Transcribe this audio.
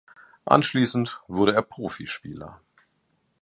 Anschließend wurde er Profispieler.